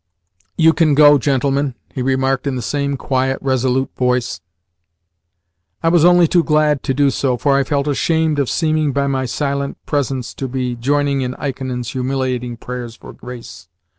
"You can go, gentlemen," he remarked in the same quiet, resolute voice. I was only too glad to do so, for I felt ashamed of seeming, by my silent presence, to be joining in Ikonin's humiliating prayers for grace.